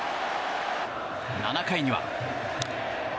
７回には。